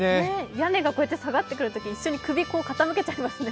屋根が下がってくるとき一緒に首を傾けちゃいますね。